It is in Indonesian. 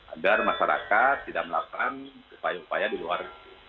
agar masyarakat tidak melakukan upaya upaya di luar